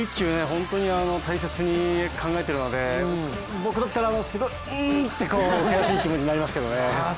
本当に大切に考えているので僕だったら、うんって悔しい気持ちになりますけどね。